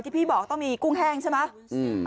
พี่บอกต้องมีกุ้งแห้งใช่ไหม